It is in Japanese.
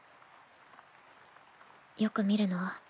よく見るの？